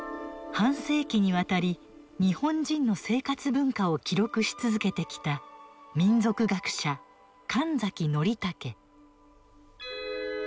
半世紀にわたり日本人の生活文化を記録し続けてきた民俗学者・神崎宣武。